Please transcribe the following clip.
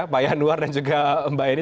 mbak yanuar dan juga mbak edy